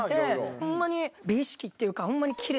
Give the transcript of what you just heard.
ホンマに美意識っていうかホンマに。